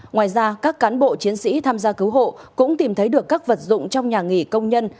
ngoài ra các cán bộ chiến sĩ tham gia cứu hộ cũng tìm thấy được các vật dụng trong nhà nghỉ công nhân